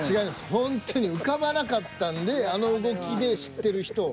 ほんとに浮かばなかったんであの動きで知ってる人を。